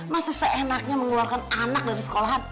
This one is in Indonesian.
masa seenaknya mengeluarkan anak dari sekolahan